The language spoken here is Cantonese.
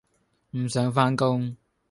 唔想返工